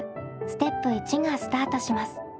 ステップ①がスタートします。